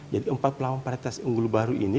jadi empat puluh delapan varietas unggul baru ini